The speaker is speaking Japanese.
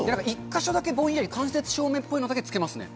１か所だけぼんやり、間接照明っぽいのだけ、つけますね。